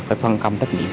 phải phân cầm tác nhiệm